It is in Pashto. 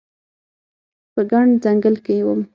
په ګڼ ځنګل کې وم